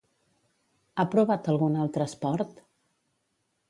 Ha provat algun altre esport?